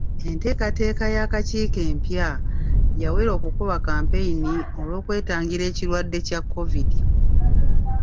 Enteekateeka y'akakiiko empya yawera okukuba kampeyini olw'okwetangira ekirwadde kya Kovidi.